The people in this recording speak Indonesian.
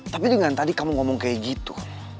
tapi dengan tadi kamu ngomong kayak gitu